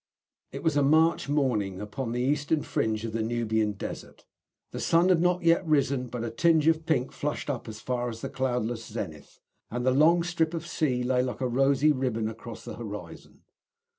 It was a March morning upon the eastern fringe of the Nubian desert. The sun had not yet risen, but a tinge of pink flushed up as far as the cloudless zenith, and the long strip of sea lay like a rosy ribbon across the horizon.